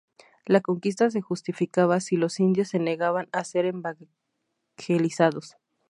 La conquista se justificaba si los indios se negaban a ser evangelizados.